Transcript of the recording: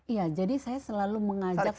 iya jadi saya selalu mengajak